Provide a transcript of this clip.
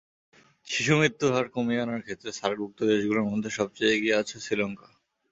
শিশুমৃত্যুর হার কমিয়ে আনার ক্ষেত্রে সার্কভুক্ত দেশগুলোর মধ্যে সবচেয়ে এগিয়ে আছে শ্রীলঙ্কা।